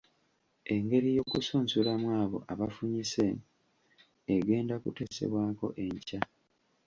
Engeri y’okusunsulamu abo abafunyise egenda kuteesebwako enkya.